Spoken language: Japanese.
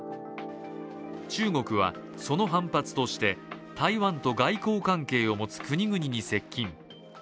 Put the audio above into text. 中国は、その反発として台湾と外交関係を持つ国々に接近。